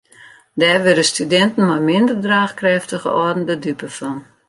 Dêr wurde studinten mei minder draachkrêftige âlden de dupe fan.